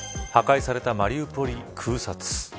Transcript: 破壊されたマリウポリ空撮。